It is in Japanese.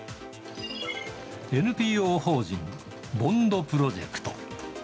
ＮＰＯ法人ＢＯＮＤプロジェクト。